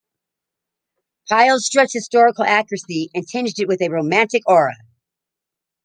Pyle stressed historical accuracy and tinged it with a romantic aura.